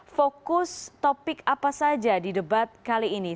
fokus topik apa saja di debat kali ini